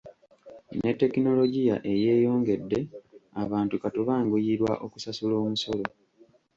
Ne tekinologiya eyeeyongedde, abantu kati banguyirwa okusasula omusolo.